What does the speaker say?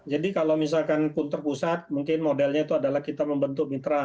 jadi kalau misalkan pun terpusat mungkin modelnya itu adalah kita membentuk mitra